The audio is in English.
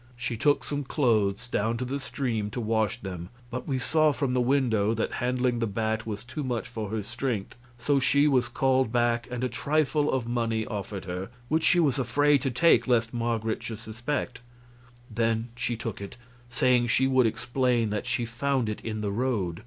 She took some clothes down to the stream to wash them, but we saw from the window that handling the bat was too much for her strength; so she was called back and a trifle of money offered her, which she was afraid to take lest Marget should suspect; then she took it, saying she would explain that she found it in the road.